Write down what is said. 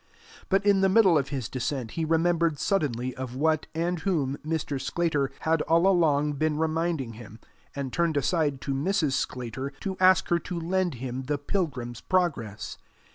But in the middle of his descent he remembered suddenly of what and whom Mr. Sclater had all along been reminding him, and turned aside to Mrs. Sclater to ask her to lend him the Pilgrim's Progress.